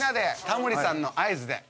タモリさんの合図で。